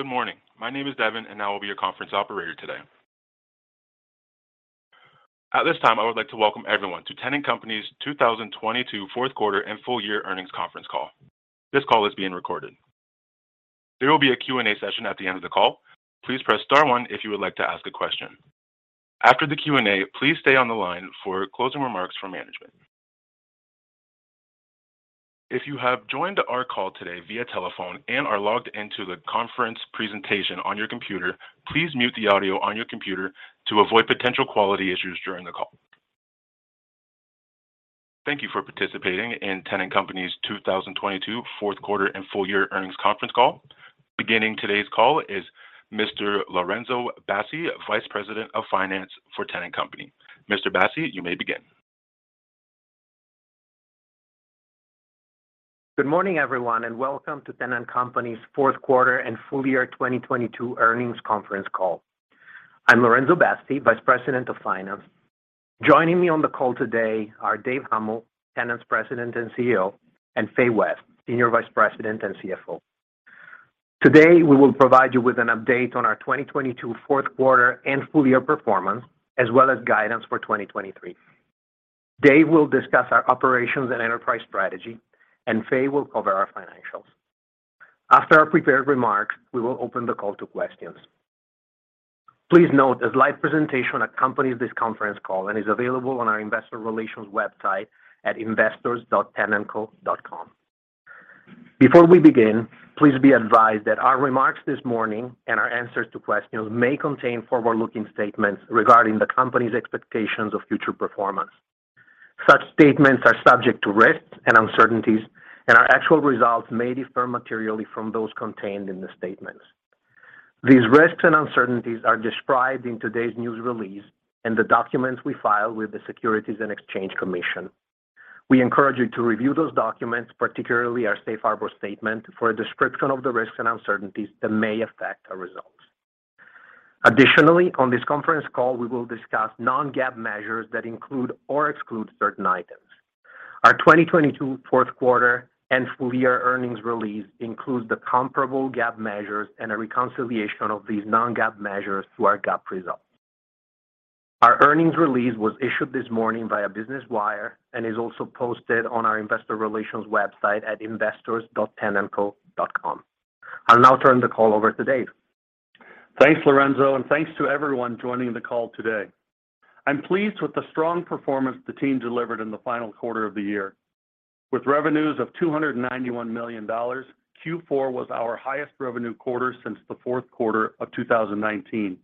Good morning. My name is Devon, and I will be your conference operator today. At this time, I would like to welcome everyone to Tennant Company's 2022 Fourth Quarter and Full Year Earnings Conference Call. This call is being recorded. There will be a Q&A session at the end of the call. Please press star one if you would like to ask a question. After the Q&A, please stay on the line for closing remarks from management. If you have joined our call today via telephone and are logged in to the conference presentation on your computer, please mute the audio on your computer to avoid potential quality issues during the call. Thank you for participating in Tennant Company's 2022 Fourth Quarter and Full Year Earnings Conference Call. Beginning today's call is Mr. Lorenzo Bassi, Vice President, Finance for Tennant Company. Mr. Bassi, you may begin. Good morning, everyone, welcome to Tennant Company's fourth quarter and full year 2022 earnings conference call. I'm Lorenzo Bassi, Vice President of Finance. Joining me on the call today are Dave Huml, Tennant's President and CEO, and Fay West, Senior Vice President and CFO. Today, we will provide you with an update on our 2022 fourth quarter and full year performance, as well as guidance for 2023. Dave will discuss our operations and enterprise strategy, and Fay will cover our financials. After our prepared remarks, we will open the call to questions. Please note a live presentation accompanies this conference call and is available on our investor relations website at investors.tennantco.com. Before we begin, please be advised that our remarks this morning and our answers to questions may contain forward-looking statements regarding the company's expectations of future performance. Such statements are subject to risks and uncertainties, and our actual results may differ materially from those contained in the statements. These risks and uncertainties are described in today's news release and the documents we file with the Securities and Exchange Commission. We encourage you to review those documents, particularly our safe harbor statement, for a description of the risks and uncertainties that may affect our results. Additionally, on this conference call, we will discuss non-GAAP measures that include or exclude certain items. Our 2022 fourth quarter and full year earnings release includes the comparable GAAP measures and a reconciliation of these non-GAAP measures to our GAAP results. Our earnings release was issued this morning via Business Wire and is also posted on our investor relations website at investors.tennantco.com. I'll now turn the call over to Dave. Thanks, Lorenzo, thanks to everyone joining the call today. I'm pleased with the strong performance the team delivered in the final quarter of the year. With revenues of $291 million, Q4 was our highest revenue quarter since the fourth quarter of 2019.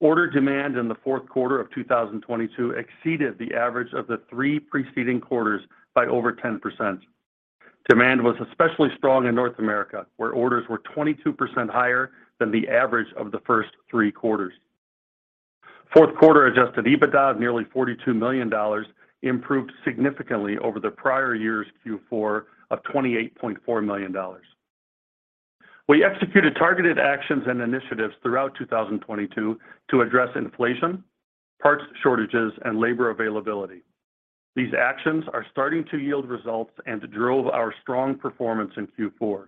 Order demand in the fourth quarter of 2022 exceeded the average of the three preceding quarters by over 10%. Demand was especially strong in North America, where orders were 22% higher than the average of the first three quarters. Fourth quarter Adjusted EBITDA of nearly $42 million improved significantly over the prior year's Q4 of $28.4 million. We executed targeted actions and initiatives throughout 2022 to address inflation, parts shortages, and labor availability. These actions are starting to yield results and drove our strong performance in Q4.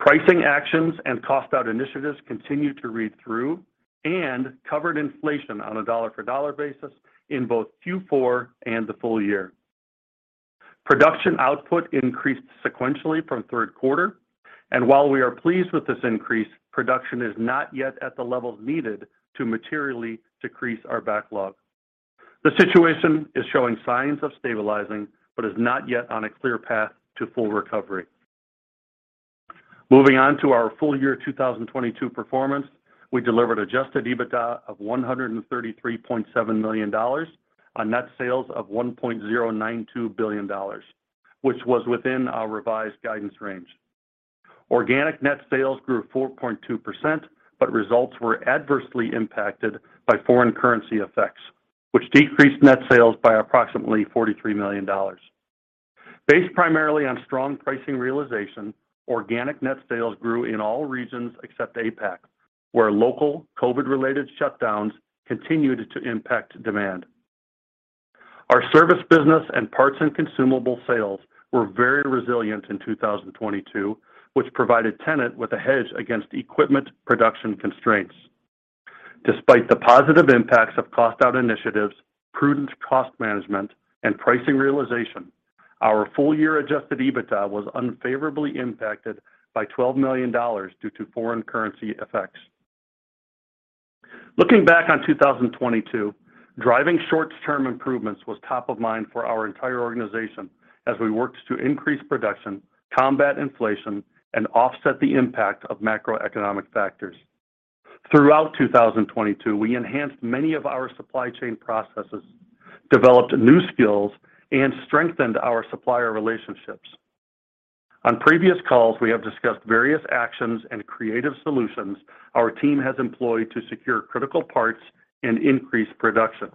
Pricing actions and cost-out initiatives continued to read through and covered inflation on a dollar-for-dollar basis in both Q4 and the full year. Production output increased sequentially from third quarter, and while we are pleased with this increase, production is not yet at the levels needed to materially decrease our backlog. The situation is showing signs of stabilizing but is not yet on a clear path to full recovery. Moving on to our full year 2022 performance, we delivered Adjusted EBITDA of $133.7 million on net sales of $1.092 billion, which was within our revised guidance range. Organic net sales grew 4.2%, but results were adversely impacted by foreign currency effects, which decreased net sales by approximately $43 million. Based primarily on strong pricing realization, organic net sales grew in all regions except APAC, where local COVID-related shutdowns continued to impact demand. Our service business and parts and consumable sales were very resilient in 2022, which provided Tennant with a hedge against equipment production constraints. Despite the positive impacts of cost-out initiatives, prudent cost management, and pricing realization, our full-year Adjusted EBITDA was unfavorably impacted by $12 million due to foreign currency effects. Looking back on 2022, driving short-term improvements was top of mind for our entire organization as we worked to increase production, combat inflation, and offset the impact of macroeconomic factors. Throughout 2022, we enhanced many of our supply chain processes, developed new skills, and strengthened our supplier relationships. On previous calls, we have discussed various actions and creative solutions our team has employed to secure critical parts and increase production.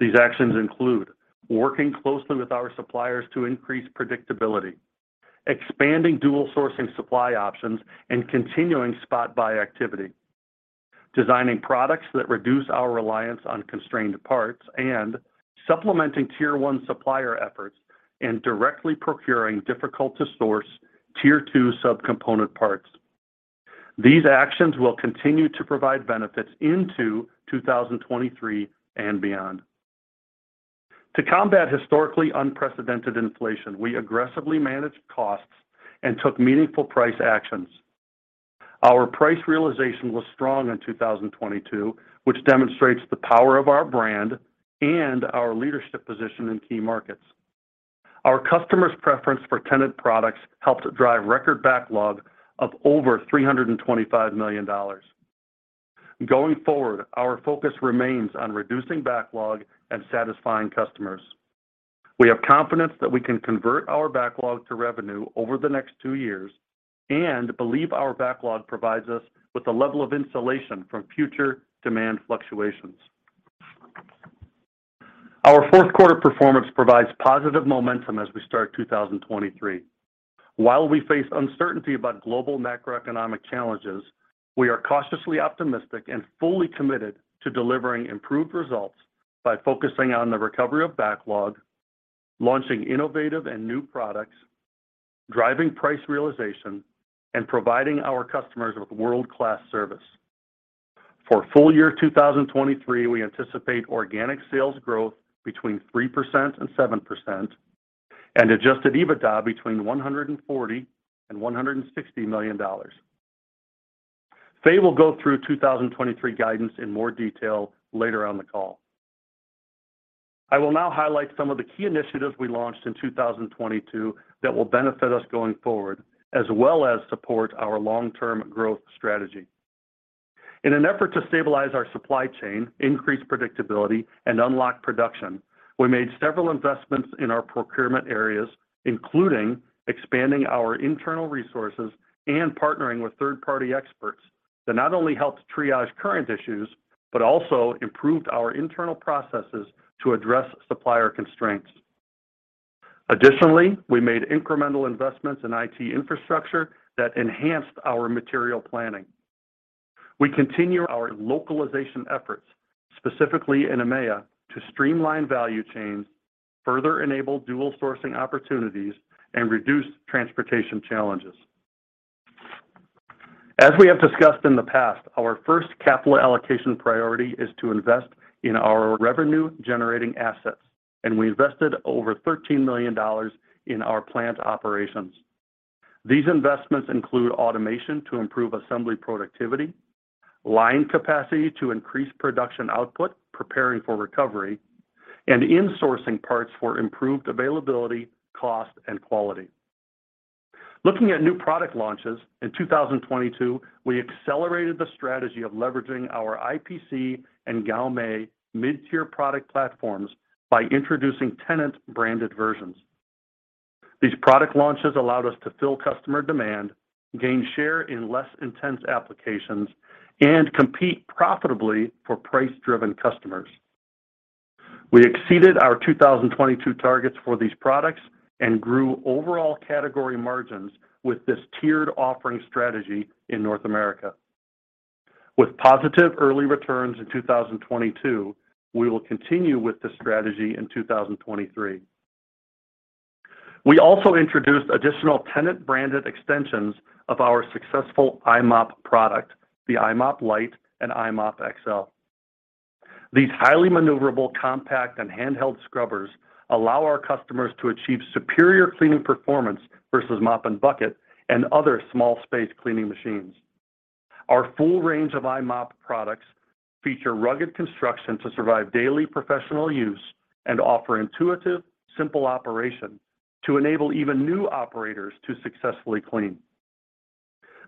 These actions include working closely with our suppliers to increase predictability, expanding dual sourcing supply options, and continuing spot buy activity. Designing products that reduce our reliance on constrained parts and supplementing tier one supplier efforts and directly procuring difficult to source tier two sub-component parts. These actions will continue to provide benefits into 2023 and beyond. To combat historically unprecedented inflation, we aggressively managed costs and took meaningful price actions. Our price realization was strong in 2022, which demonstrates the power of our brand and our leadership position in key markets. Our customers' preference for Tennant products helped drive record backlog of over $325 million. Going forward, our focus remains on reducing backlog and satisfying customers. We have confidence that we can convert our backlog to revenue over the next two years and believe our backlog provides us with a level of insulation from future demand fluctuations. Our fourth quarter performance provides positive momentum as we start 2023. While we face uncertainty about global macroeconomic challenges, we are cautiously optimistic and fully committed to delivering improved results by focusing on the recovery of backlog, launching innovative and new products, driving price realization, and providing our customers with world-class service. For full year 2023, we anticipate organic sales growth between 3% and 7% and Adjusted EBITDA between $140 million and $160 million. Fay will go through 2023 guidance in more detail later on the call. I will now highlight some of the key initiatives we launched in 2022 that will benefit us going forward, as well as support our long-term growth strategy. In an effort to stabilize our supply chain, increase predictability, and unlock production, we made several investments in our procurement areas, including expanding our internal resources and partnering with third-party experts that not only helped triage current issues, but also improved our internal processes to address supplier constraints. Additionally, we made incremental investments in IT infrastructure that enhanced our material planning. We continue our localization efforts, specifically in EMEA, to streamline value chains, further enable dual sourcing opportunities, and reduce transportation challenges. As we have discussed in the past, our first capital allocation priority is to invest in our revenue-generating assets, and we invested over $13 million in our plant operations. These investments include automation to improve assembly productivity, line capacity to increase production output, preparing for recovery, and insourcing parts for improved availability, cost, and quality. Looking at new product launches, in 2022, we accelerated the strategy of leveraging our IPC and Gaomei mid-tier product platforms by introducing Tennant-branded versions. These product launches allowed us to fill customer demand, gain share in less intense applications, and compete profitably for price-driven customers. We exceeded our 2022 targets for these products and grew overall category margins with this tiered offering strategy in North America. With positive early returns in 2022, we will continue with this strategy in 2023. We also introduced additional Tennant-branded extensions of our successful i-mop product, the i-mop Lite and i-mop XL. These highly maneuverable, compact, and handheld scrubbers allow our customers to achieve superior cleaning performance versus mop and bucket and other small space cleaning machines. Our full range of i-mop products feature rugged construction to survive daily professional use and offer intuitive, simple operation to enable even new operators to successfully clean.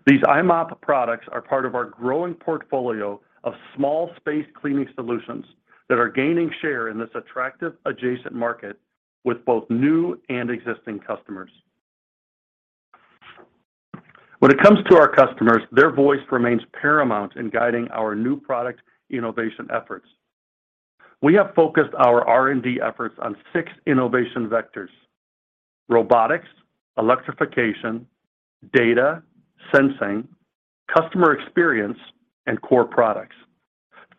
These i-mop products are part of our growing portfolio of small space cleaning solutions that are gaining share in this attractive adjacent market with both new and existing customers. When it comes to our customers, their voice remains paramount in guiding our new product innovation efforts. We have focused our R&D efforts on six innovation vectors: robotics, electrification, data, sensing, customer experience, and core products.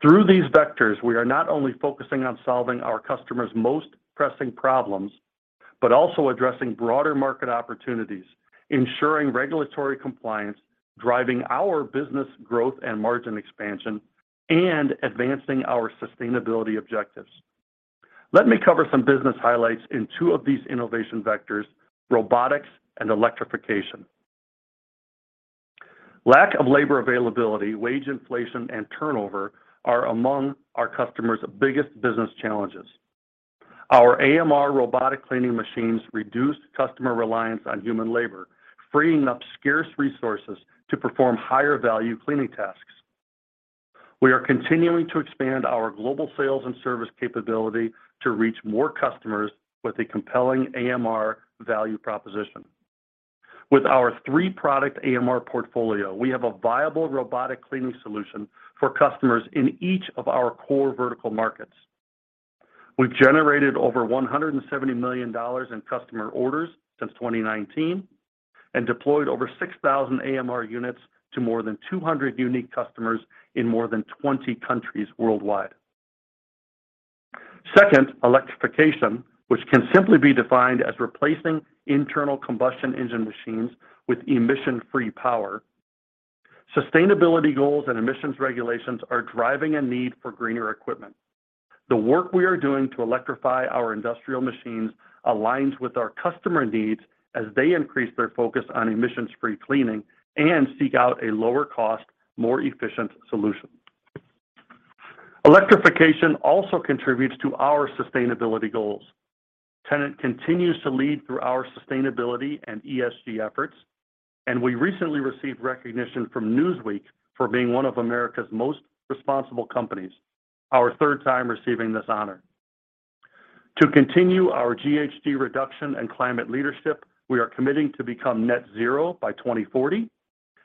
Through these vectors, we are not only focusing on solving our customers' most pressing problems, but also addressing broader market opportunities, ensuring regulatory compliance, driving our business growth and margin expansion, and advancing our sustainability objectives. Let me cover some business highlights in two of these innovation vectors, robotics and electrification. Lack of labor availability, wage inflation, and turnover are among our customers' biggest business challenges. Our AMR robotic cleaning machines reduce customer reliance on human labor, freeing up scarce resources to perform higher value cleaning tasks. We are continuing to expand our global sales and service capability to reach more customers with a compelling AMR value proposition. With our three-product AMR portfolio, we have a viable robotic cleaning solution for customers in each of our core vertical markets. We've generated over $170 million in customer orders since 2019 and deployed over 6,000 AMR units to more than 200 unique customers in more than 20 countries worldwide. Second, electrification, which can simply be defined as replacing internal combustion engine machines with emission-free power. Sustainability goals and emissions regulations are driving a need for greener equipment. The work we are doing to electrify our industrial machines aligns with our customer needs as they increase their focus on emissions-free cleaning and seek out a lower cost, more efficient solution. Electrification also contributes to our sustainability goals. Tennant continues to lead through our sustainability and ESG efforts. We recently received recognition from Newsweek for being one of America's most responsible companies, our third time receiving this honor. To continue our GHG reduction and climate leadership, we are committing to become net zero by 2040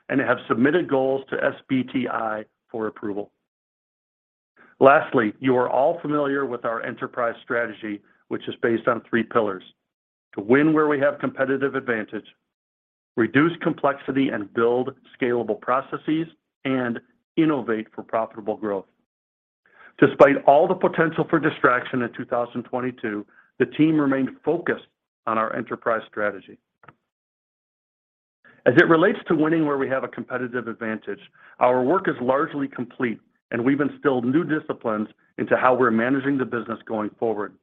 and have submitted goals to SBTI for approval. Lastly, you are all familiar with our enterprise strategy, which is based on three pillars: to win where we have competitive advantage, reduce complexity, and build scalable processes, and innovate for profitable growth. Despite all the potential for distraction in 2022, the team remained focused on our enterprise strategy. As it relates to winning where we have a competitive advantage, our work is largely complete, and we've instilled new disciplines into how we're managing the business going forward.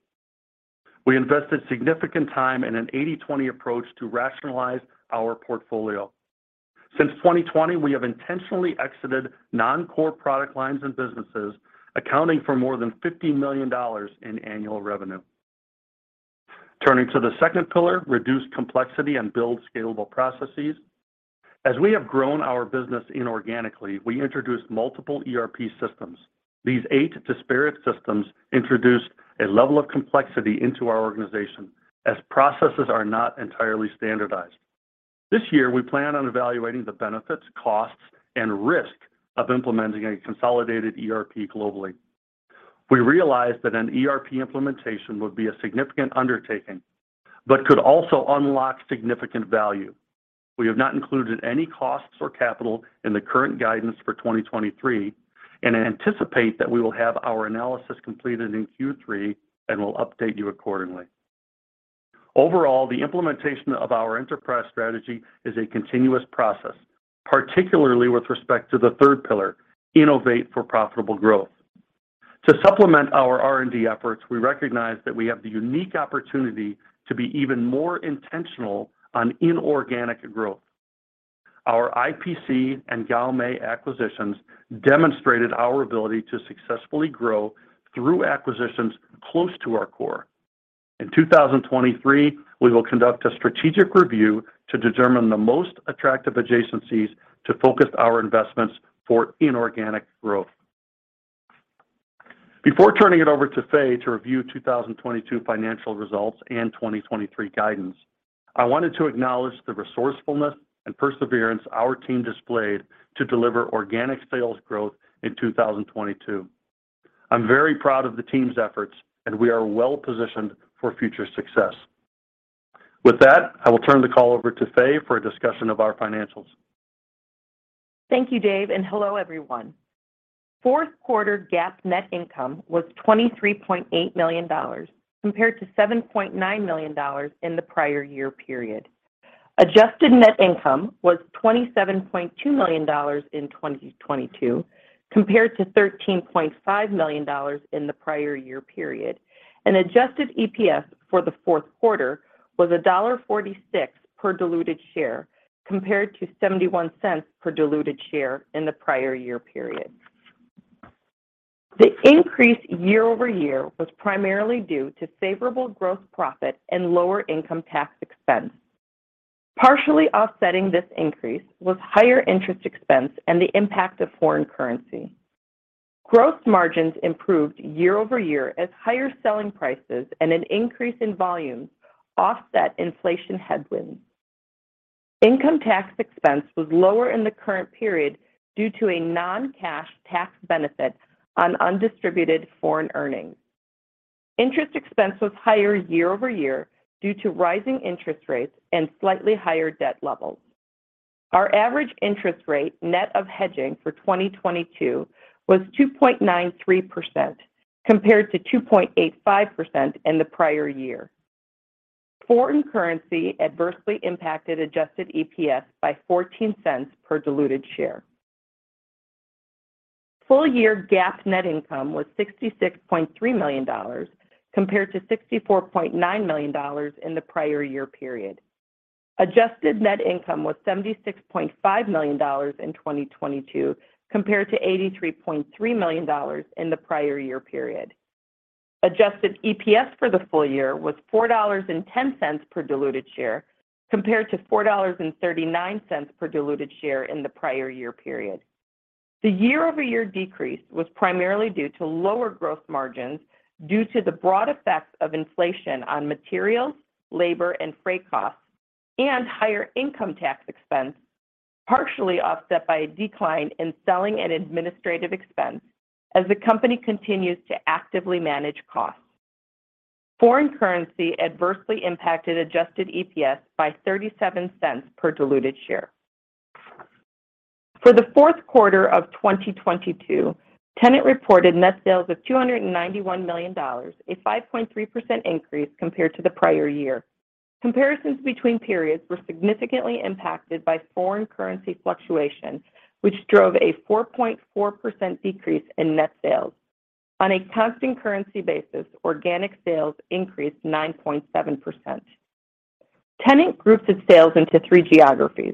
We invested significant time in an 80/20 approach to rationalize our portfolio. Since 2020, we have intentionally exited non-core product lines and businesses, accounting for more than $15 million in annual revenue. Turning to the second pillar, reduce complexity and build scalable processes. As we have grown our business inorganically, we introduced multiple ERP systems. These 8 disparate systems introduced a level of complexity into our organization as processes are not entirely standardized. This year, we plan on evaluating the benefits, costs, and risk of implementing a consolidated ERP globally. We realize that an ERP implementation would be a significant undertaking but could also unlock significant value. We have not included any costs or capital in the current guidance for 2023 and anticipate that we will have our analysis completed in Q3 and will update you accordingly. Overall, the implementation of our enterprise strategy is a continuous process, particularly with respect to the third pillar, innovate for profitable growth. To supplement our R&D efforts, we recognize that we have the unique opportunity to be even more intentional on inorganic growth. Our IPC and Gaomei acquisitions demonstrated our ability to successfully grow through acquisitions close to our core. In 2023, we will conduct a strategic review to determine the most attractive adjacencies to focus our investments for inorganic growth. Before turning it over to Faye to review 2022 financial results and 2023 guidance, I wanted to acknowledge the resourcefulness and perseverance our team displayed to deliver organic sales growth in 2022. I'm very proud of the team's efforts. We are well-positioned for future success. With that, I will turn the call over to Faye for a discussion of our financials. Thank you, Dave. Hello, everyone. Fourth quarter GAAP net income was $23.8 million compared to $7.9 million in the prior year period. Adjusted net income was $27.2 million in 2022 compared to $13.5 million in the prior year period. Adjusted EPS for the fourth quarter was $1.46 per diluted share compared to $0.71 per diluted share in the prior year period. The increase year-over-year was primarily due to favorable gross profit and lower income tax expense. Partially offsetting this increase was higher interest expense and the impact of foreign currency. Gross margins improved year-over-year as higher selling prices and an increase in volume offset inflation headwinds. Income tax expense was lower in the current period due to a non-cash tax benefit on undistributed foreign earnings. Interest expense was higher year-over-year due to rising interest rates and slightly higher debt levels. Our average interest rate net of hedging for 2022 was 2.93% compared to 2.85% in the prior year. Foreign currency adversely impacted adjusted EPS by $0.14 per diluted share. Full-year GAAP net income was $66.3 million compared to $64.9 million in the prior year period. Adjusted net income was $76.5 million in 2022 compared to $83.3 million in the prior year period. Adjusted EPS for the full year was $4.10 per diluted share compared to $4.39 per diluted share in the prior year period. The year-over-year decrease was primarily due to lower gross margins due to the broad effects of inflation on materials, labor, and freight costs and higher income tax expense. Partially offset by a decline in selling and administrative expense as the company continues to actively manage costs. Foreign currency adversely impacted adjusted EPS by $0.37 per diluted share. For the fourth quarter of 2022, Tennant reported net sales of $291 million, a 5.3% increase compared to the prior year. Comparisons between periods were significantly impacted by foreign currency fluctuation, which drove a 4.4% decrease in net sales. On a constant currency basis, organic sales increased 9.7%. Tennant groups its sales into three geographies.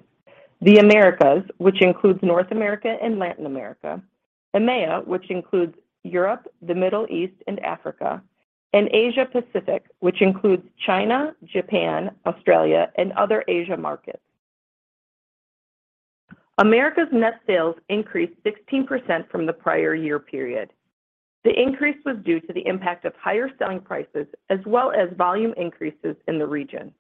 The Americas, which includes North America and Latin America. EMEA, which includes Europe, the Middle East, and Africa. Asia Pacific, which includes China, Japan, Australia, and other Asia markets. Americas net sales increased 16% from the prior year period. The increase was due to the impact of higher selling prices as well as volume increases in the region.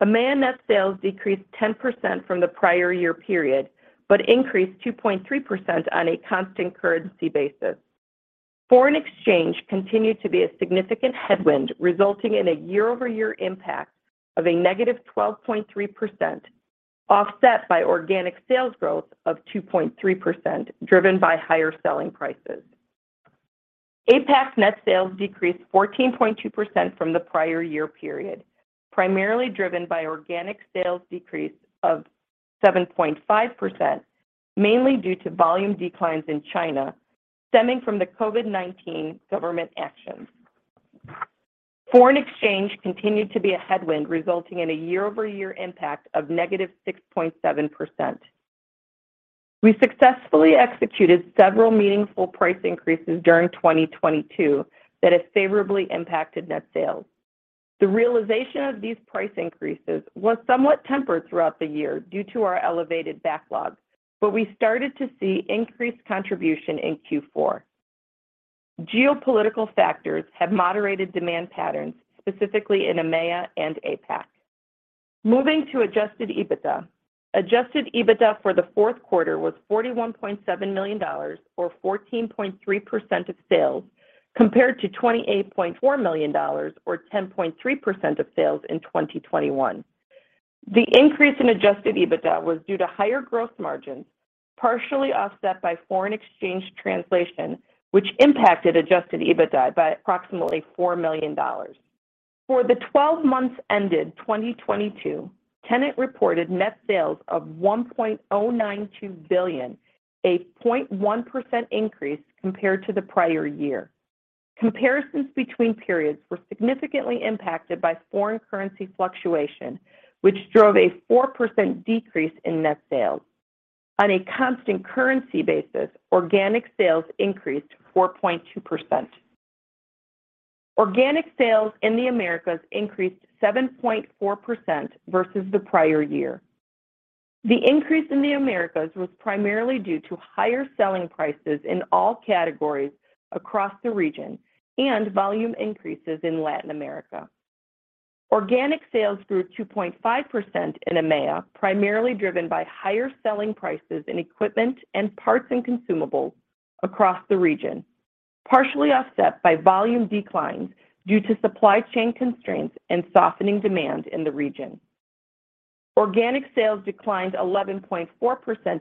EMEA net sales decreased 10% from the prior year period, but increased 2.3% on a constant currency basis. Foreign exchange continued to be a significant headwind, resulting in a year-over-year impact of a negative 12.3%, offset by organic sales growth of 2.3%, driven by higher selling prices. APAC net sales decreased 14.2% from the prior year period, primarily driven by organic sales decrease of 7.5%, mainly due to volume declines in China stemming from the COVID-19 government actions. Foreign exchange continued to be a headwind, resulting in a year-over-year impact of negative 6.7%. We successfully executed several meaningful price increases during 2022 that have favorably impacted net sales. The realization of these price increases was somewhat tempered throughout the year due to our elevated backlog, we started to see increased contribution in Q4. Geopolitical factors have moderated demand patterns, specifically in EMEA and APAC. Moving to adjusted EBITDA. Adjusted EBITDA for the fourth quarter was $41.7 million or 14.3% of sales, compared to $28.4 million or 10.3% of sales in 2021. The increase in adjusted EBITDA was due to higher growth margins, partially offset by foreign exchange translation, which impacted adjusted EBITDA by approximately $4 million. For the 12 months ended 2022, Tennant reported net sales of $1.092 billion, a 0.1% increase compared to the prior year. Comparisons between periods were significantly impacted by foreign currency fluctuation, which drove a 4% decrease in net sales. On a constant currency basis, organic sales increased 4.2%. Organic sales in the Americas increased 7.4% versus the prior year. The increase in the Americas was primarily due to higher selling prices in all categories across the region and volume increases in Latin America. Organic sales grew 2.5% in EMEA, primarily driven by higher selling prices in equipment and parts and consumables across the region, partially offset by volume declines due to supply chain constraints and softening demand in the region. Organic sales declined 11.4%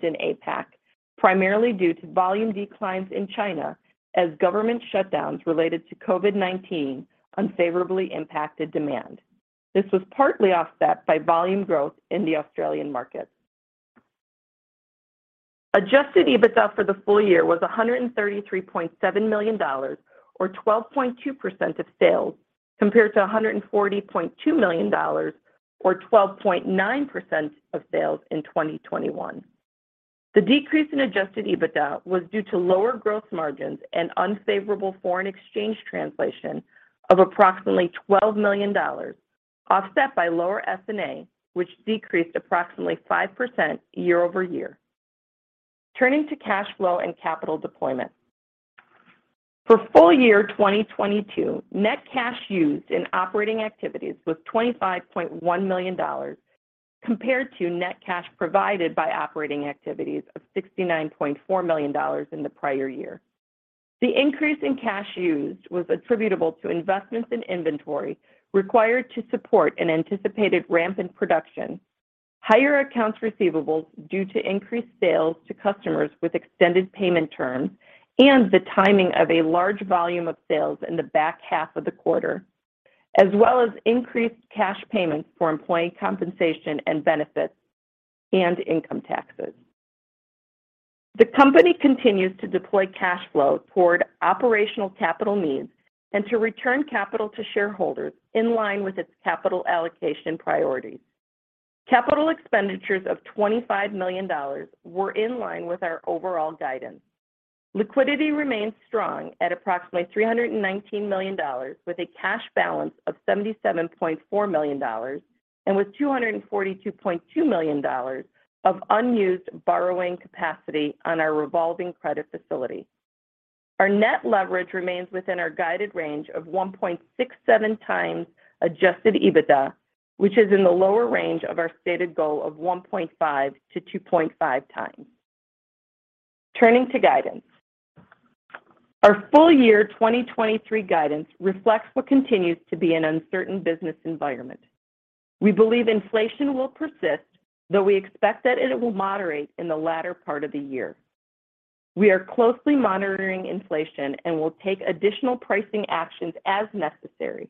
in APAC, primarily due to volume declines in China as government shutdowns related to COVID-19 unfavorably impacted demand. This was partly offset by volume growth in the Australian market. Adjusted EBITDA for the full year was $133.7 million or 12.2% of sales, compared to $140.2 million or 12.9% of sales in 2021. The decrease in adjusted EBITDA was due to lower gross margins and unfavorable foreign exchange translation of approximately $12 million, offset by lower S&A, which decreased approximately 5% year-over-year. Turning to cash flow and capital deployment. For full year 2022, net cash used in operating activities was $25.1 million, compared to net cash provided by operating activities of $69.4 million in the prior year. The increase in cash used was attributable to investments in inventory required to support an anticipated ramp in production, higher accounts receivables due to increased sales to customers with extended payment terms, and the timing of a large volume of sales in the back half of the quarter, as well as increased cash payments for employee compensation and benefits and income taxes. The company continues to deploy cash flow toward operational capital needs and to return capital to shareholders in line with its capital allocation priorities. Capital expenditures of $25 million were in line with our overall guidance. Liquidity remains strong at approximately $319 million, with a cash balance of $77.4 million, and with $242.2 million of unused borrowing capacity on our revolving credit facility. Our net leverage remains within our guided range of 1.67x adjusted EBITDA, which is in the lower range of our stated goal of 1.5x-2.5x. Turning to guidance. Our full year 2023 guidance reflects what continues to be an uncertain business environment. We believe inflation will persist, though we expect that it will moderate in the latter part of the year. We are closely monitoring inflation and will take additional pricing actions as necessary.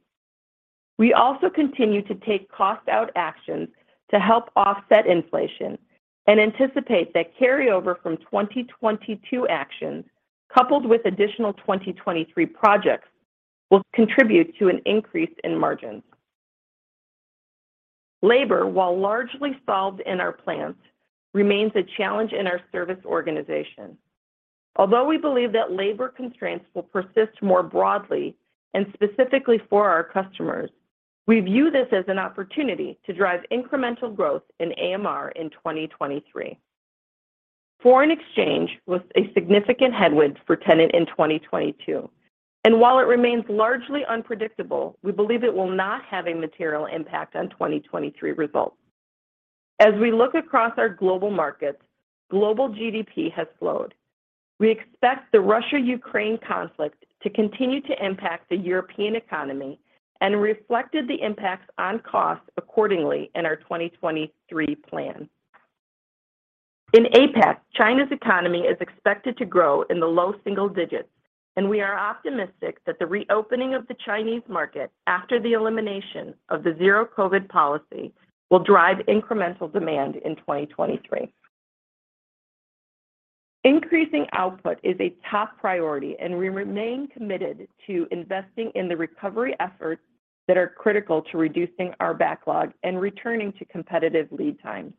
We also continue to take cost out actions to help offset inflation and anticipate that carryover from 2022 actions coupled with additional 2023 projects will contribute to an increase in margins. Labor, while largely solved in our plants, remains a challenge in our service organization. We believe that labor constraints will persist more broadly and specifically for our customers, we view this as an opportunity to drive incremental growth in AMR in 2023. Foreign exchange was a significant headwind for Tennant in 2022, while it remains largely unpredictable, we believe it will not have a material impact on 2023 results. As we look across our global markets, global GDP has slowed. We expect the Russia-Ukraine conflict to continue to impact the European economy and reflected the impacts on costs accordingly in our 2023 plan. In APAC, China's economy is expected to grow in the low single digits. We are optimistic that the reopening of the Chinese market after the elimination of the Zero COVID policy will drive incremental demand in 2023. Increasing output is a top priority. We remain committed to investing in the recovery efforts that are critical to reducing our backlog and returning to competitive lead times.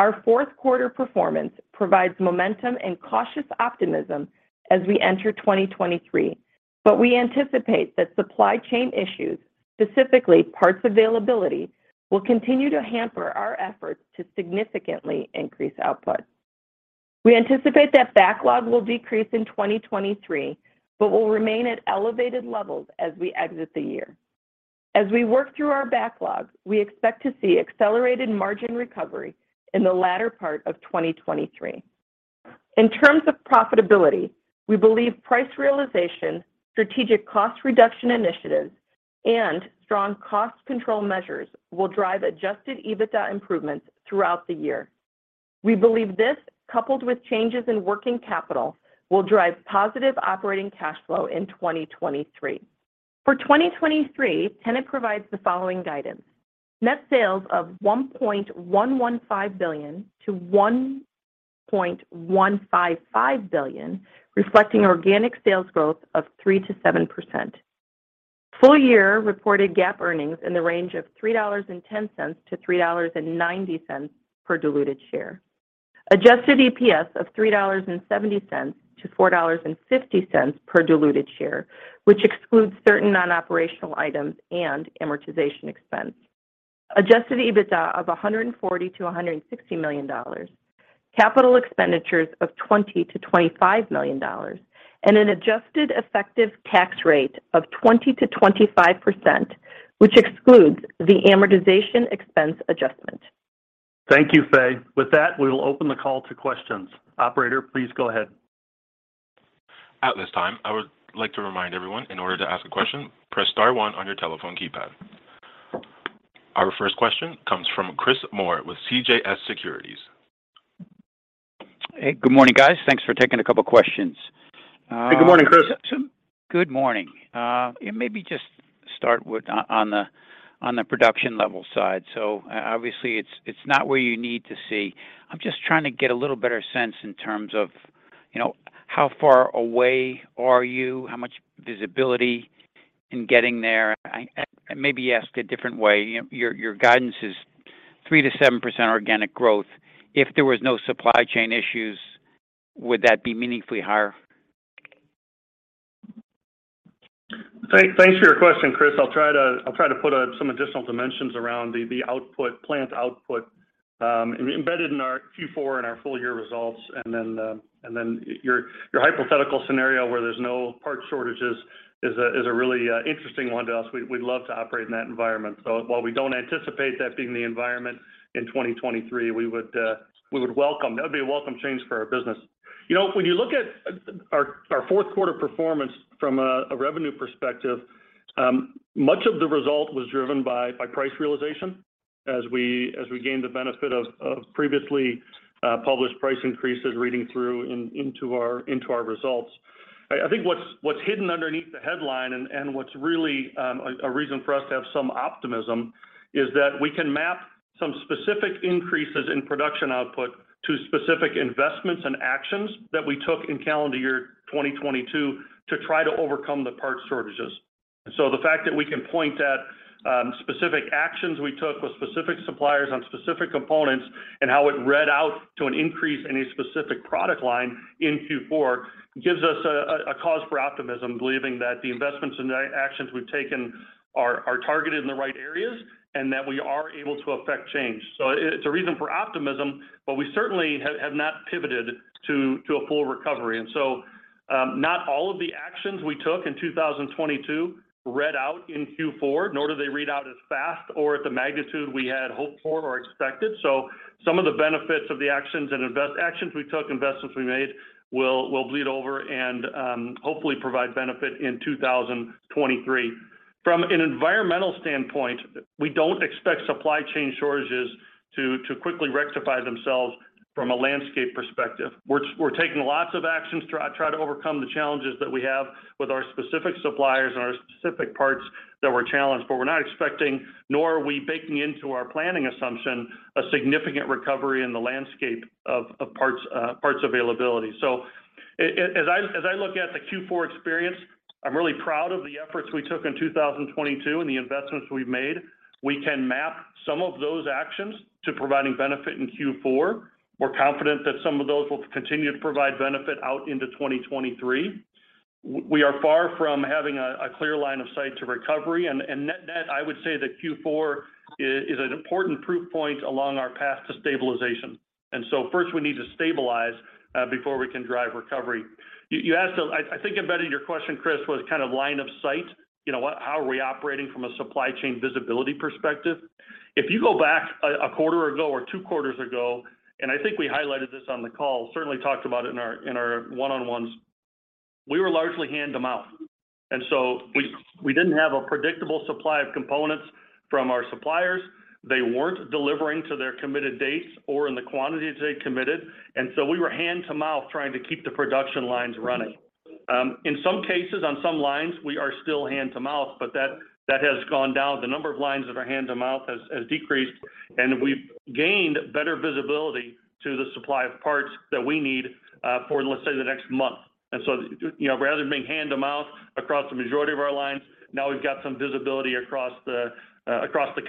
Our fourth quarter performance provides momentum and cautious optimism as we enter 2023. We anticipate that supply chain issues, specifically parts availability, will continue to hamper our efforts to significantly increase output. We anticipate that backlog will decrease in 2023 but will remain at elevated levels as we exit the year. As we work through our backlog, we expect to see accelerated margin recovery in the latter part of 2023. In terms of profitability, we believe price realization, strategic cost reduction initiatives, and strong cost control measures will drive adjusted EBITDA improvements throughout the year. We believe this, coupled with changes in working capital, will drive positive operating cash flow in 2023. For 2023, Tennant provides the following guidance: Net sales of $1.115 billion-$1.155 billion, reflecting organic sales growth of 3%-7%. Full year reported GAAP earnings in the range of $3.10-$3.90 per diluted share. Adjusted EPS of $3.70-$4.50 per diluted share, which excludes certain non-operational items and amortization expense. Adjusted EBITDA of $140 million-$160 million. Capital expenditures of $20 million-$25 million. An adjusted effective tax rate of 20%-25%, which excludes the amortization expense adjustment. Thank you, Faye. With that, we will open the call to questions. Operator, please go ahead. At this time, I would like to remind everyone in order to ask a question, press star one on your telephone keypad. Our first question comes from Chris Moore with CJS Securities. Hey, good morning, guys. Thanks for taking a couple questions. Good morning, Chris. Good morning. Maybe just start with on the, on the production level side. Obviously, it's not where you need to see. I'm just trying to get a little better sense in terms of, you know, how far away are you? How much visibility in getting there? I maybe ask a different way. Your guidance is 3%-7% organic growth. If there was no supply chain issues, would that be meaningfully higher? Thanks for your question, Chris. I'll try to put some additional dimensions around the output, plant output, embedded in our Q4 and our full year results. And then your hypothetical scenario where there's no part shortages is a really interesting one to us. We'd love to operate in that environment. While we don't anticipate that being the environment in 2023, we would welcome... That would be a welcome change for our business. You know, when you look at our fourth quarter performance from a revenue perspective, much of the result was driven by price realization as we gained the benefit of previously published price increases reading through into our results. I think what's hidden underneath the headline and what's really a reason for us to have some optimism is that we can map some specific increases in production output to specific investments and actions that we took in calendar year 2022 to try to overcome the part shortages. The fact that we can point at specific actions we took with specific suppliers on specific components and how it read out to an increase in a specific product line in Q4 gives us a cause for optimism, believing that the investments and the actions we've taken are targeted in the right areas and that we are able to affect change. It's a reason for optimism, but we certainly have not pivoted to a full recovery. Not all of the actions we took in 2022 read out in Q4, nor do they read out as fast or at the magnitude we had hoped for or expected. Some of the benefits of the actions and actions we took, investments we made, will bleed over and hopefully provide benefit in 2023. From an environmental standpoint, we don't expect supply chain shortages to quickly rectify themselves from a landscape perspective. We're taking lots of actions to try to overcome the challenges that we have with our specific suppliers and our specific parts that were challenged. We're not expecting, nor are we baking into our planning assumption, a significant recovery in the landscape of parts availability. As I look at the Q4 experience, I'm really proud of the efforts we took in 2022 and the investments we've made. We can map some of those actions to providing benefit in Q4. We're confident that some of those will continue to provide benefit out into 2023. We are far from having a clear line of sight to recovery. Net net, I would say that Q4 is an important proof point along our path to stabilization. First we need to stabilize before we can drive recovery. You asked. I think, embedded your question, Chris, was kind of line of sight. You know, how are we operating from a supply chain visibility perspective? If you go back a quarter ago or two quarters ago, and I think we highlighted this on the call, certainly talked about it in our, in our one-on-ones. We were largely hand-to-mouth, and so we didn't have a predictable supply of components from our suppliers. They weren't delivering to their committed dates or in the quantities they committed. So we were hand-to-mouth trying to keep the production lines running. In some cases, on some lines, we are still hand-to-mouth, but that has gone down. The number of lines that are hand-to-mouth has decreased, and we've gained better visibility to the supply of parts that we need for, let's say, the next month. You know, rather than being hand-to-mouth across the majority of our lines, now we've got some visibility across the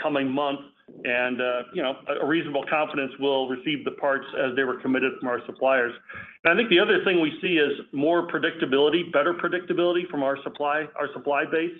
coming month and, you know, a reasonable confidence we'll receive the parts as they were committed from our suppliers. I think the other thing we see is more predictability, better predictability from our supply, our supply base.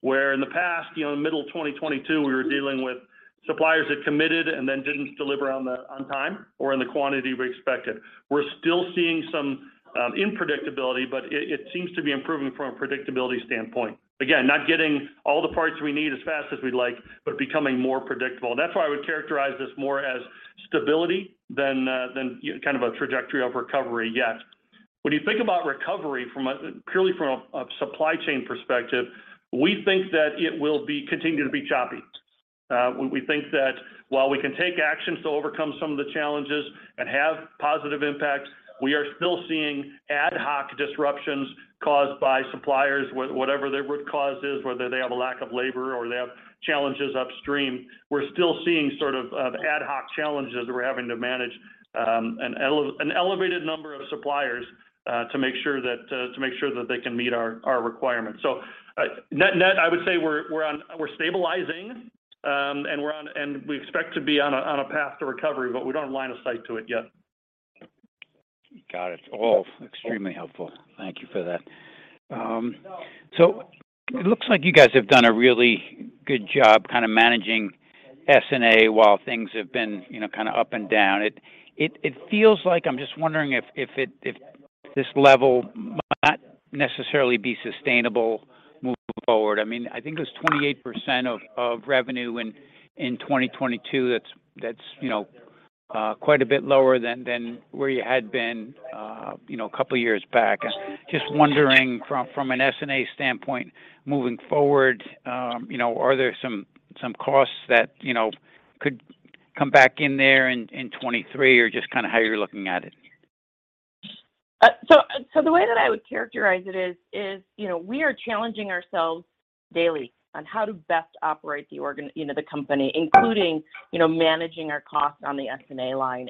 Where in the past, you know, in the middle of 2022, we were dealing with suppliers that committed and then didn't deliver on time or in the quantity we expected. We're still seeing some unpredictability, but it seems to be improving from a predictability standpoint. Again, not getting all the parts we need as fast as we'd like, but becoming more predictable. That's why I would characterize this more as stability than kind of a trajectory of recovery yet. When you think about recovery from a purely from a supply chain perspective, we think that it will be continue to be choppy. We think that while we can take actions to overcome some of the challenges and have positive impacts, we are still seeing ad hoc disruptions caused by suppliers, whatever their root cause is, whether they have a lack of labor or they have challenges upstream. We're still seeing sort of ad hoc challenges that we're having to manage an elevated number of suppliers to make sure that they can meet our requirements. Net net, I would say we're stabilizing and we expect to be on a path to recovery, but we don't have line of sight to it yet. Got it. All extremely helpful. Thank you for that. It looks like you guys have done a really good job kind of managing S&A while things have been, you know, kind of up and down. It feels like I'm just wondering if this level might not necessarily be sustainable moving forward. I mean, I think it was 28% of revenue in 2022 that's, you know, quite a bit lower than where you had been, you know, a couple of years back. Just wondering from an S&A standpoint moving forward, you know, are there some costs that, you know, could come back in there in 23 or just kind of how you're looking at it? The way that I would characterize it is, you know, we are challenging ourselves daily on how to best operate, you know, the company, including, you know, managing our costs on the S&A line.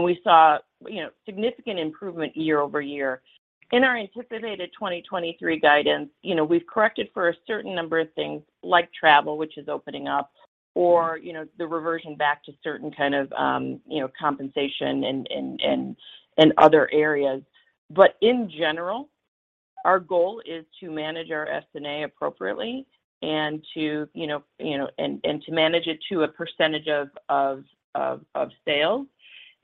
We saw, you know, significant improvement year-over-year. In our anticipated 2023 guidance, you know, we've corrected for a certain number of things like travel, which is opening up, or, you know, the reversion back to certain kind of, you know, compensation and other areas. In general, our goal is to manage our S&A appropriately and to manage it to a percentage of sales.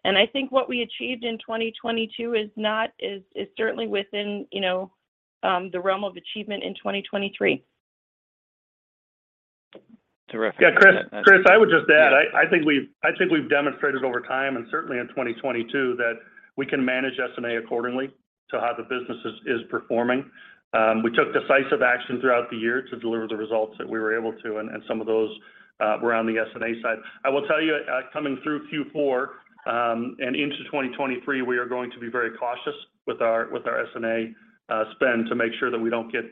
I think what we achieved in 2022 is certainly within, you know, the realm of achievement in 2023. Terrific. Chris. Chris, I would just add, I think we've demonstrated over time, and certainly in 2022, that we can manage S&A accordingly to how the business is performing. We took decisive action throughout the year to deliver the results that we were able to, and some of those were on the S&A side. I will tell you, coming through Q4, and into 2023, we are going to be very cautious with our S&A spend to make sure that we don't get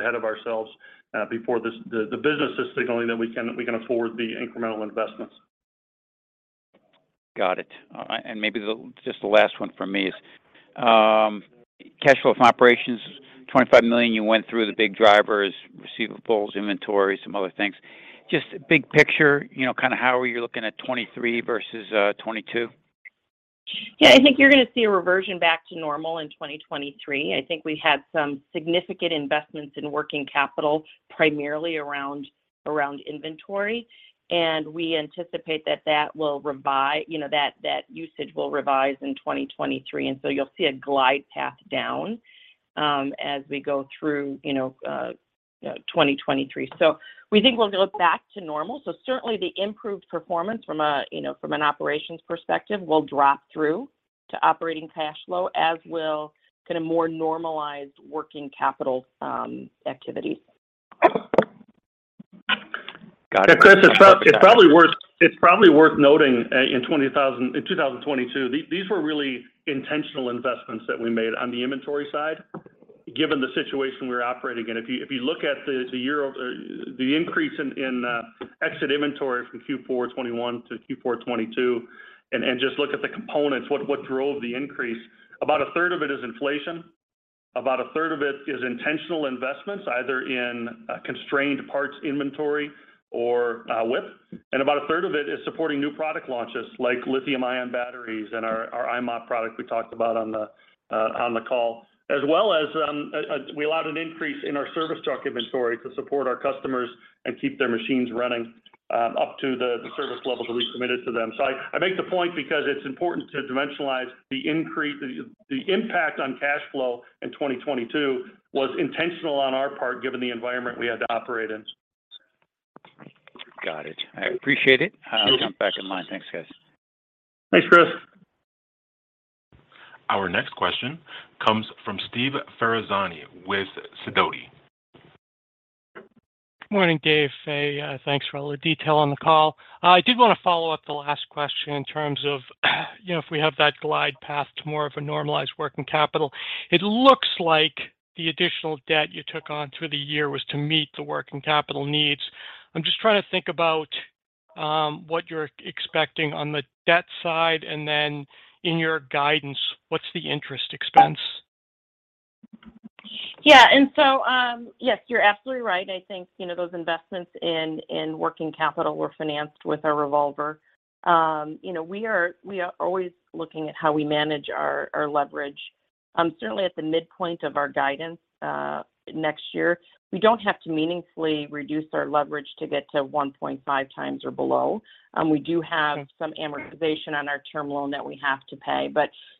ahead of ourselves before the business is signaling that we can afford the incremental investments. Got it. Maybe just the last one from me is, cash flow from operations, $25 million, you went through the big drivers, receivables, inventory, some other things. Just big picture, you know, kind of how are you looking at 23 versus 22? I think you're gonna see a reversion back to normal in 2023. I think we had some significant investments in working capital, primarily around inventory, and we anticipate that usage will revise in 2023. You'll see a glide path down as we go through 2023. We think we'll go back to normal. Certainly the improved performance from an operations perspective will drop through to operating cash flow as will kind of more normalized working capital activity. Got it. Yeah, Chris, it's probably worth noting in 2022, these were really intentional investments that we made on the inventory side given the situation we were operating in. If you look at the or the increase in exit inventory from Q4 2021 to Q4 2022 and just look at the components, what drove the increase, about a third of it is inflation, about a third of it is intentional investments either in constrained parts inventory or WIP, and about a third of it is supporting new product launches like lithium-ion batteries and our i-mop product we talked about on the call. As well as, we allowed an increase in our service truck inventory to support our customers and keep their machines running, up to the service levels that we committed to them. I make the point because it's important to dimensionalize the increase. The impact on cash flow in 2022 was intentional on our part given the environment we had to operate in. Got it. I appreciate it. Sure. I'll jump back in line. Thanks, guys. Thanks, Chris. Our next question comes from Steve Ferazani with Sidoti. Morning, Dave, Faye. Thanks for all the detail on the call. I did wanna follow up the last question in terms of, you know, if we have that glide path to more of a normalized working capital. It looks like the additional debt you took on through the year was to meet the working capital needs. I'm just trying to think about, what you're expecting on the debt side, and then in your guidance, what's the interest expense? Yeah. Yes, you're absolutely right. I think, you know, those investments in working capital were financed with our revolver. You know, we are always looking at how we manage our leverage. Certainly at the midpoint of our guidance, next year, we don't have to meaningfully reduce our leverage to get to 1.5 times or below. We do have some amortization on our term loan that we have to pay.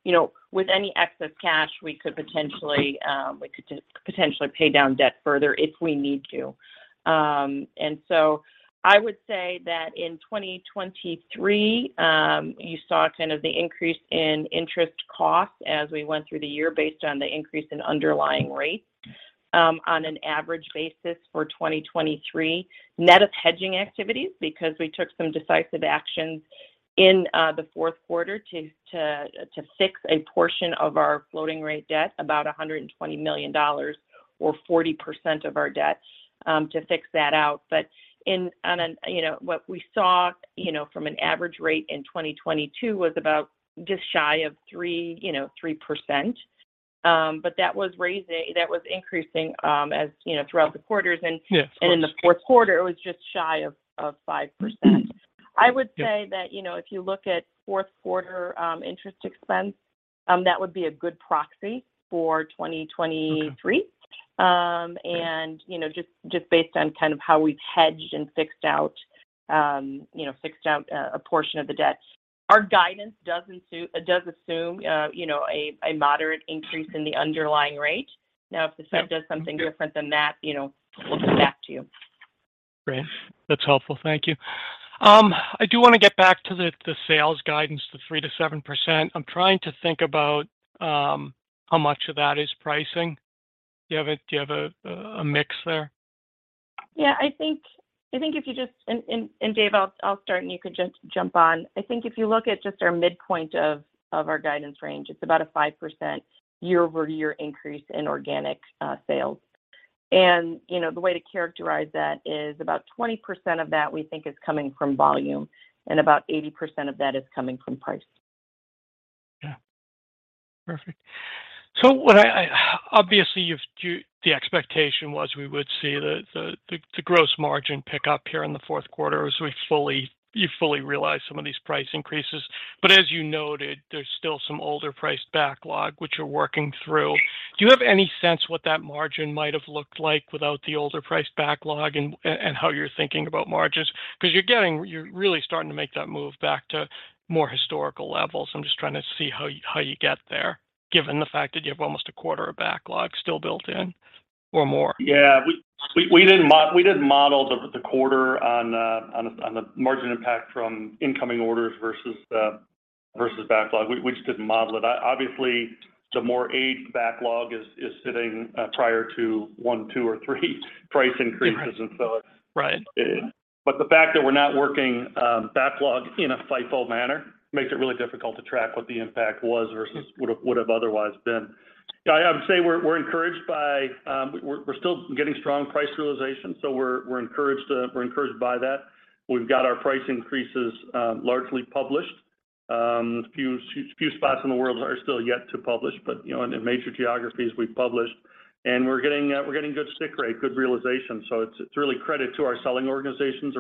You know, with any excess cash, we could just potentially pay down debt further if we need to. I would say that in 2023, you saw kind of the increase in interest costs as we went through the year based on the increase in underlying rates, on an average basis for 2023, net of hedging activities because we took some decisive actions in the fourth quarter to fix a portion of our floating rate debt, about $120 million or 40% of our debt, to fix that out. On an... You know, what we saw, you know, from an average rate in 2022 was about just shy of 3%, you know, 3%. But that was increasing, as, you know, throughout the quarters. Yes. Of course. In the fourth quarter, it was just shy of 5%. Yes. Yeah. I would say that, you know, if you look at fourth quarter, interest expense, that would be a good proxy for 2023. Okay. Um, and- Great... you know, just based on kind of how we've hedged and fixed out, you know, fixed out a portion of the debt. Our guidance does assume, you know, a moderate increase in the underlying rate. Now, if the Fed. Yep. Okay.... does something different than that, you know, we'll come back to you. Great. That's helpful. Thank you. I do wanna get back to the sales guidance, the 3%-7%. I'm trying to think about how much of that is pricing. Do you have a, do you have a mix there? Yeah. I think if you just... Dave, I'll start, and you can just jump on. I think if you look at just our midpoint of our guidance range, it's about a 5% year-over-year increase in organic sales. You know, the way to characterize that is about 20% of that we think is coming from volume, and about 80% of that is coming from price. Yeah. Perfect. What I obviously, you the expectation was we would see the gross margin pick up here in the fourth quarter as you fully realize some of these price increases. As you noted, there's still some older priced backlog which you're working through. Do you have any sense what that margin might have looked like without the older priced backlog and how you're thinking about margins? You're really starting to make that move back to more historical levels. I'm just trying to see how you get there given the fact that you have almost a quarter of backlog still built in or more. Yeah. We didn't model the quarter on the margin impact from incoming orders versus versus backlog. We just didn't model it. Obviously, the more aged backlog is sitting prior to one, two, or three price increases. Right. And so it's- Right... but the fact that we're not working backlog in a FIFO manner makes it really difficult to track what the impact was versus would have otherwise been. I would say we're encouraged by we're still getting strong price realization, so we're encouraged by that. We've got our price increases largely published. Few spots in the world are still yet to publish, but, you know, in the major geographies we've published. We're getting good stick rate, good realization. It's really credit to our selling organizations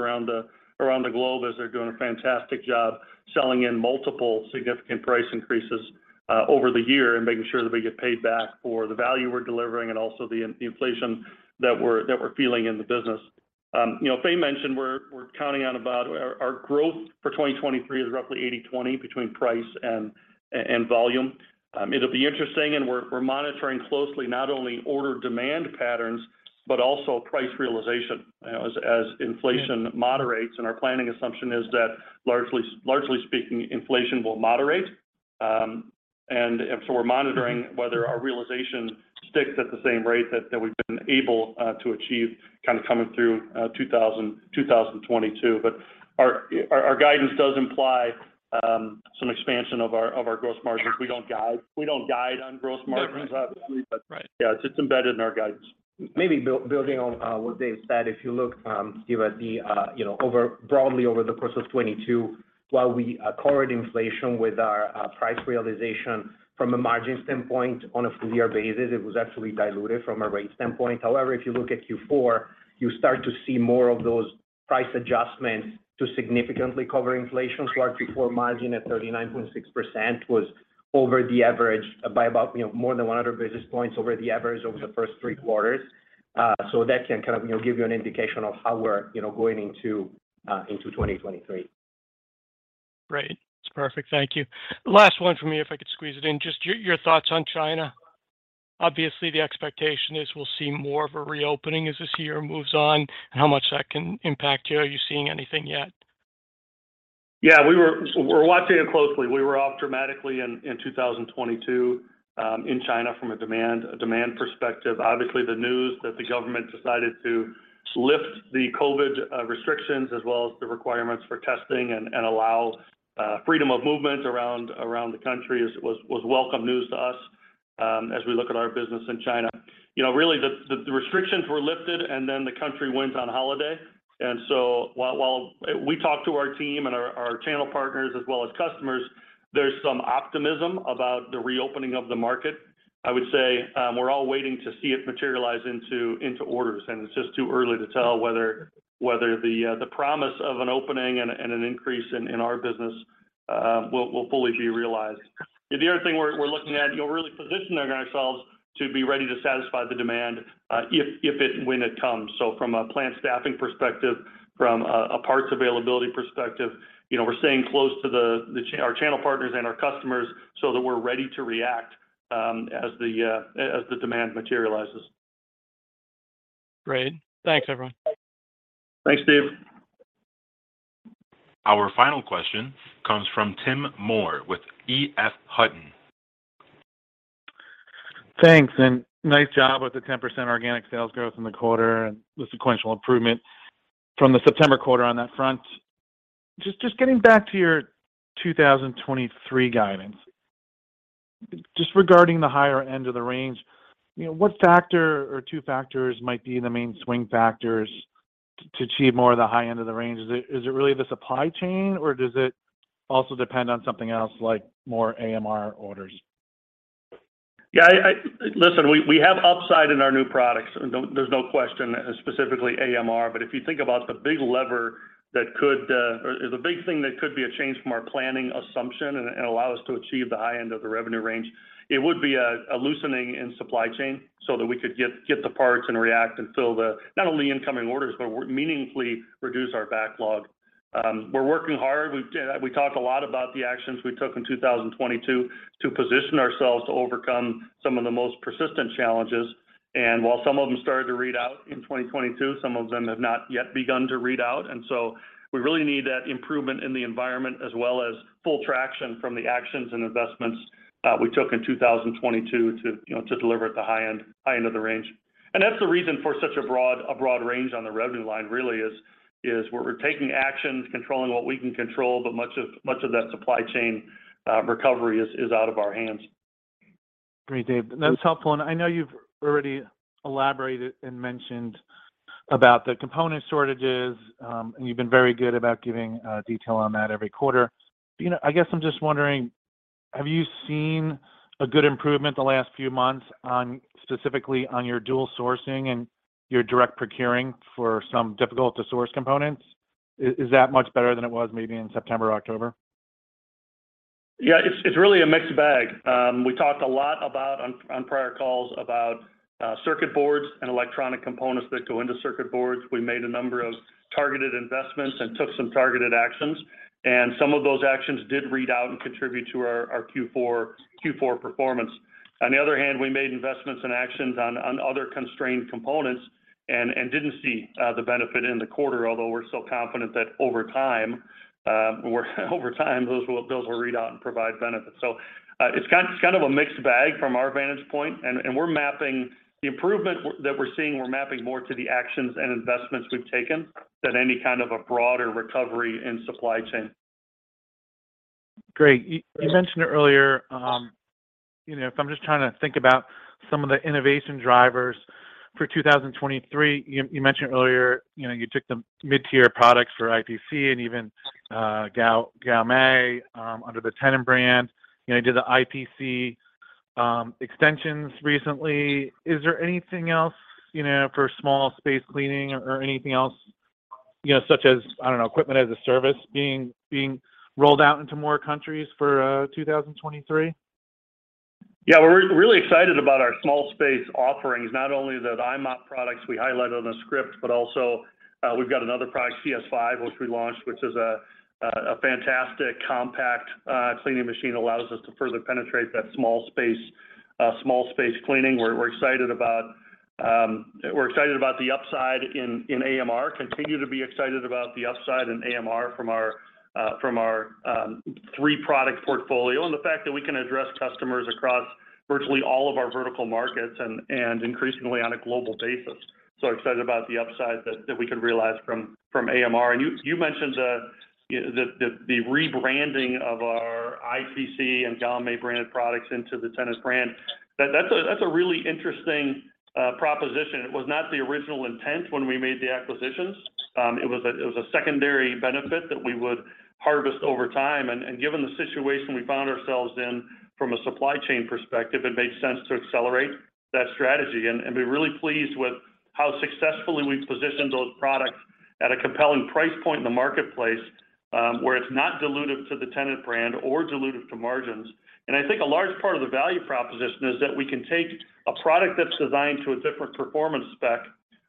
around the globe as they're doing a fantastic job selling in multiple significant price increases over the year and making sure that we get paid back for the value we're delivering and also the inflation that we're feeling in the business. You know, Fay mentioned we're counting on about. Our growth for 2023 is roughly 80/20 between price and volume. It'll be interesting, and we're monitoring closely not only order demand patterns but also price realization, you know, as inflation moderates. Our planning assumption is that largely speaking, inflation will moderate. We're monitoring whether our realization sticks at the same rate that we've been able to achieve kind of coming through 2022. Our guidance does imply some expansion of our gross margins. We don't guide on gross margins obviously. Right. Yeah, it's just embedded in our guidance. Maybe building on what Dave said. If you look, Steve, at the, you know, broadly over the course of 2022, while we covered inflation with our price realization from a margin standpoint on a full year basis, it was actually diluted from a rate standpoint. If you look at Q4, you start to see more of those price adjustments to significantly cover inflation. Our Q4 margin at 39.6% was over the average by about, you know, more than 100 basis points over the average over the first three quarters. That can kind of, you know, give you an indication of how we're, you know, going into 2023. Great. That's perfect. Thank you. Last one from me, if I could squeeze it in. Just your thoughts on China. Obviously, the expectation is we'll see more of a reopening as this year moves on, and how much that can impact you. Are you seeing anything yet? Yeah, we're watching it closely. We were off dramatically in 2022 in China from a demand perspective. Obviously, the news that the government decided to lift the COVID restrictions as well as the requirements for testing and allow freedom of movement around the country was welcome news to us as we look at our business in China. You know, really the restrictions were lifted, the country went on holiday. While we talk to our team and our channel partners as well as customers, there's some optimism about the reopening of the market. I would say, we're all waiting to see it materialize into orders, and it's just too early to tell whether the promise of an opening and an increase in our business, will fully be realized. The other thing we're looking at, you know, really positioning ourselves to be ready to satisfy the demand, when it comes. So from a plant staffing perspective, from a parts availability perspective, you know, we're staying close to our channel partners and our customers so that we're ready to react, as the demand materializes. Great. Thanks, everyone. Thanks, Steve. Our final question comes from Tim Moore with EF Hutton. Thanks. Nice job with the 10% organic sales growth in the quarter and the sequential improvement from the September quarter on that front. Just getting back to your 2023 guidance. Just regarding the higher end of the range, you know, what factor or two factors might be the main swing factors to achieve more of the high end of the range? Is it really the supply chain, or does it also depend on something else like more AMR orders? Yeah, Listen, we have upside in our new products. There's no question, specifically AMR. If you think about the big lever that could or the big thing that could be a change from our planning assumption and allow us to achieve the high end of the revenue range, it would be a loosening in supply chain so that we could get the parts and react and fill the not only incoming orders but we're meaningfully reduce our backlog. We're working hard. We talked a lot about the actions we took in 2022 to position ourselves to overcome some of the most persistent challenges. While some of them started to read out in 2022, some of them have not yet begun to read out. We really need that improvement in the environment as well as full traction from the actions and investments we took in 2022 to, you know, to deliver at the high end of the range. That's the reason for such a broad range on the revenue line really is, we're taking actions, controlling what we can control, but much of that supply chain recovery is out of our hands. Great, Dave. That's helpful. I know you've already elaborated and mentioned about the component shortages, and you've been very good about giving detail on that every quarter. You know, I guess I'm just wondering, have you seen a good improvement the last few months on, specifically on your dual sourcing and your direct procuring for some difficult to source components? Is that much better than it was maybe in September or October? It's really a mixed bag. We talked a lot about on prior calls about circuit boards and electronic components that go into circuit boards. We made a number of targeted investments and took some targeted actions, and some of those actions did read out and contribute to our Q4 performance. On the other hand, we made investments and actions on other constrained components and didn't see the benefit in the quarter, although we're still confident that over time, over time, those will read out and provide benefits. It's kind of a mixed bag from our vantage point, and we're mapping the improvement that we're seeing, we're mapping more to the actions and investments we've taken than any kind of a broader recovery in supply chain. Great. You mentioned earlier, you know, if I'm just trying to think about some of the innovation drivers for 2023, you mentioned earlier, you know, you took the mid-tier products for IPC and even Gaomei under the Tennant brand. You know, did the IPC extensions recently? Is there anything else, you know, for small space cleaning or anything else, you know, such as, I don't know, equipment as a service being rolled out into more countries for 2023? We're really excited about our small space offerings, not only the i-mop products we highlighted on the script, but also, we've got another product, CS5, which we launched, which is a fantastic compact cleaning machine. Allows us to further penetrate that small space, small space cleaning. We're excited about the upside in AMR, continue to be excited about the upside in AMR from our three product portfolio, and the fact that we can address customers across virtually all of our vertical markets and increasingly on a global basis. Excited about the upside that we can realize from AMR. You mentioned the rebranding of our IPC and Gaomei branded products into the Tennant brand. That's a really interesting proposition. It was not the original intent when we made the acquisitions. It was a secondary benefit that we would harvest over time. Given the situation we found ourselves in from a supply chain perspective, it made sense to accelerate that strategy. We're really pleased with how successfully we positioned those products at a compelling price point in the marketplace, where it's not dilutive to the Tennant brand or dilutive to margins. I think a large part of the value proposition is that we can take a product that's designed to a different performance spec,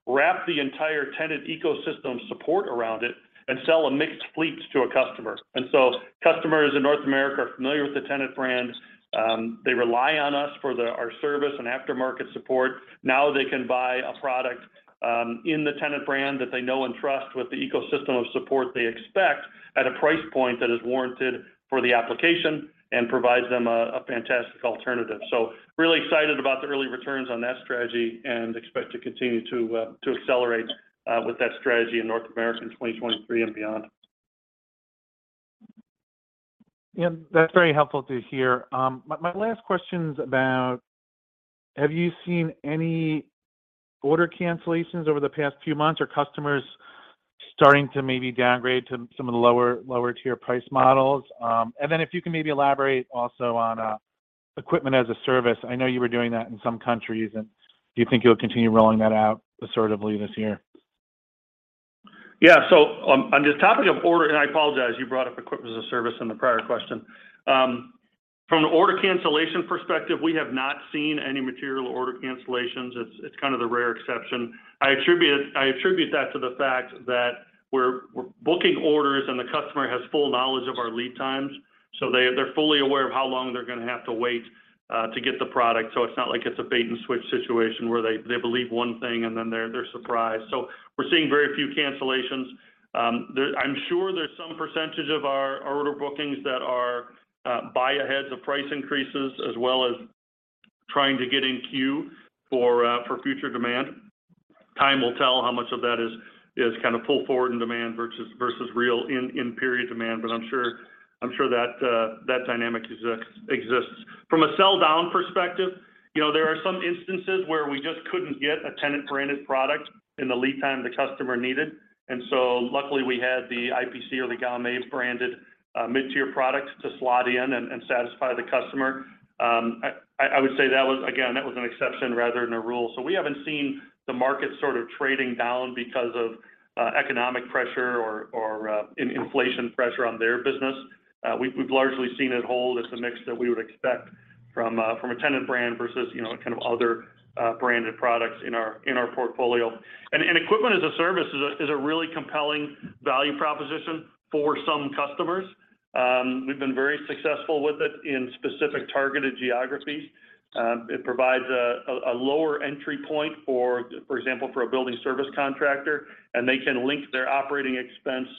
wrap the entire Tennant ecosystem support around it, and sell a mixed fleet to a customer. Customers in North America are familiar with the Tennant brand. They rely on us for our service and aftermarket support. Now they can buy a product in the Tennant brand that they know and trust with the ecosystem of support they expect at a price point that is warranted for the application and provides them a fantastic alternative. Really excited about the early returns on that strategy and expect to continue to accelerate with that strategy in North America in 2023 and beyond. Yeah. That's very helpful to hear. My last question's about have you seen any order cancellations over the past few months? Are customers starting to maybe downgrade to some of the lower tier price models? If you can maybe elaborate also on equipment as a service. I know you were doing that in some countries, do you think you'll continue rolling that out assertively this year? On, on the topic of order. I apologize, you brought up equipment as a service in the prior question. From the order cancellation perspective, we have not seen any material order cancellations. It's, it's kind of the rare exception. I attribute that to the fact that we're booking orders, and the customer has full knowledge of our lead times, so they're fully aware of how long they're gonna have to wait to get the product. It's not like it's a bait-and-switch situation where they believe one thing, and then they're surprised. We're seeing very few cancellations. I'm sure there's some percentage of our order bookings that are buy-ahead the price increases as well as trying to get in queue for future demand. Time will tell how much of that is kind of pull forward in demand versus real in period demand. I'm sure that dynamic exists. From a sell down perspective, you know, there are some instances where we just couldn't get a Tennant branded product in the lead time the customer needed. Luckily, we had the IPC or the Gaomei branded mid-tier products to slot in and satisfy the customer. I would say again, that was an exception rather than a rule. We haven't seen the market sort of trading down because of economic pressure or inflation pressure on their business. We've largely seen it hold as the mix that we would expect from a Tennant brand versus, you know, kind of other, branded products in our portfolio. Equipment as a service is a really compelling value proposition for some customers. We've been very successful with it in specific targeted geographies. It provides a lower entry point for example, for a building service contractor, and they can link their operating expense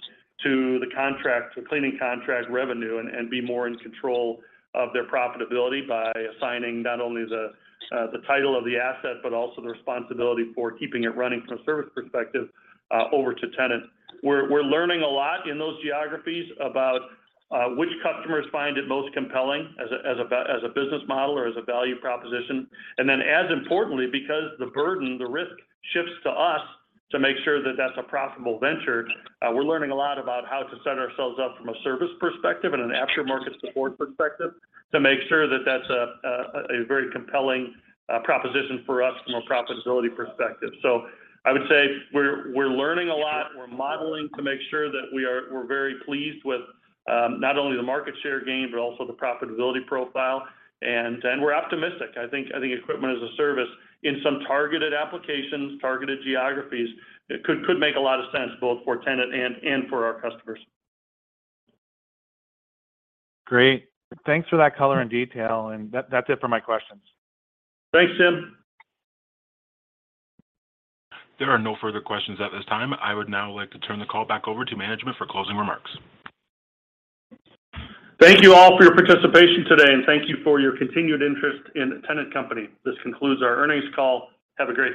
to the contract, to cleaning contract revenue and be more in control of their profitability by assigning not only the title of the asset, but also the responsibility for keeping it running from a service perspective, over to Tennant. We're learning a lot in those geographies about which customers find it most compelling as a business model or as a value proposition. As importantly, because the burden, the risk shifts to us to make sure that that's a profitable venture, we're learning a lot about how to set ourselves up from a service perspective and an aftermarket support perspective to make sure that that's a very compelling proposition for us from a profitability perspective. I would say we're learning a lot. We're modeling to make sure that we're very pleased with not only the market share gain, but also the profitability profile. We're optimistic. I think equipment as a service in some targeted applications, targeted geographies, it could make a lot of sense both for Tennant and for our customers. Great. Thanks for that color and detail. That's it for my questions. Thanks, Tim. There are no further questions at this time. I would now like to turn the call back over to management for closing remarks. Thank you all for your participation today, and thank you for your continued interest in Tennant Company. This concludes our earnings call. Have a great day.